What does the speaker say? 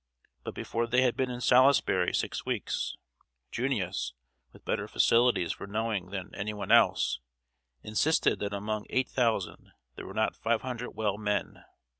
But before they had been in Salisbury six weeks, "Junius," with better facilities for knowing than any one else, insisted that among eight thousand there were not five hundred well men.